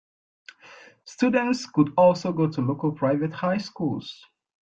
Students could also go to local private high schools.